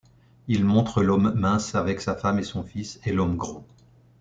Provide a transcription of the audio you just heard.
Il montre l'homme mince avec sa femme et son fils, et l'homme gros.